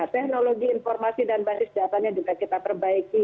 teknologi informasi dan basis datanya juga kita perbaiki